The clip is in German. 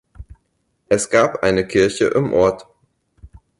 Es gab eine Kirche im Ort.